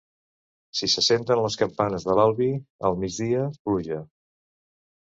Si se senten les campanes de l'Albi al migdia, pluja.